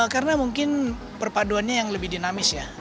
karena mungkin perpaduannya yang lebih dinamis ya